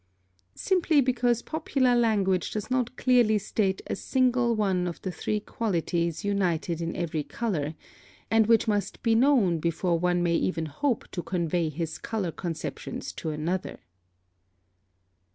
Simply because popular language does not clearly state a single one of the three qualities united in every color, and which must be known before one may even hope to convey his color conceptions to another.